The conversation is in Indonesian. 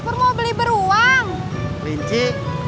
kamu mau beli beruang kelinci